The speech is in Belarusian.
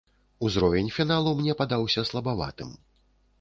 Узровень фіналу мне падаўся слабаватым.